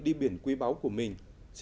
đi biển quý báu của mình